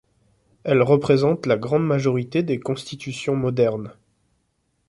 Elles représentent la grande majorité des constitutions modernes.